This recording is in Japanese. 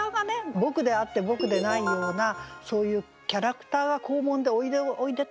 僕であって僕でないようなそういうキャラクターが校門でおいでおいでと言ってる。